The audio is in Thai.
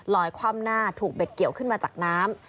คว่ำหน้าถูกเบ็ดเกี่ยวขึ้นมาจากน้ำ